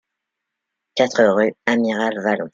quatre rue Amiral Vallon